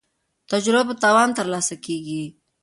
تجربه په تاوان ترلاسه کیږي.